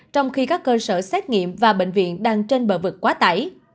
trong khi các cơ sở xét nghiệm và bệnh viện đang trên bờ vực quá tải